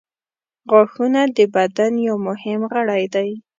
• غاښونه د بدن یو مهم غړی دی.